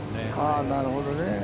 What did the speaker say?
ああ、なるほどね。